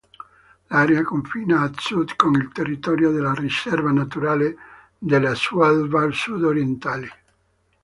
L'area confina a sud con il territorio della Riserva naturale delle Svalbard sud-orientali.